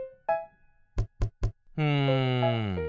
うん。